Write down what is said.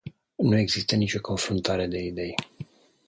Nu există nicio confruntare de idei.